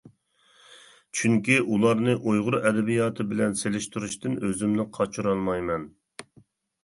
چۈنكى ئۇلارنى ئۇيغۇر ئەدەبىياتى بىلەن سېلىشتۇرۇشتىن ئۆزۈمنى قاچۇرالمايمەن.